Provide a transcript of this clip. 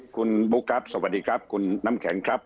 คุณบุ๊คครับสวัสดีครับคุณน้ำแข็งครับ